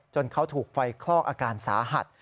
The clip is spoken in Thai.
เขาถูกไฟคลอกอาการสาหัส